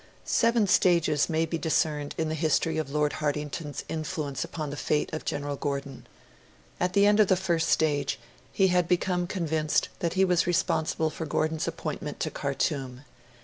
Seven stages may be discerned in the history of Lord Hartington's influence upon the fate of General Gordon. At the end of the first stage, he had become convinced that he was responsible for Gordon's appointment to Khartoum.